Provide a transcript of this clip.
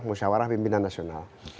musyawarah pimpinan nasional